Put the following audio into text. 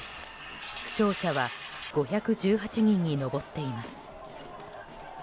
負傷者は５１８人に上っています。